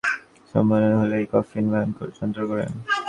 সন্তানসম্ভবা হলেই কফিল ভয়ংকর যন্ত্রণা করে।